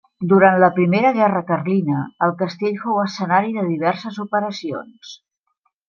Durant la primera guerra carlina el castell fou escenari de diverses operacions.